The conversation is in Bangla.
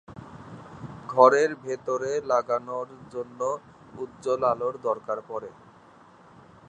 ঘরের ভেতরে লাগানোর জন্য উজ্জ্বল আলোর দরকার পড়ে।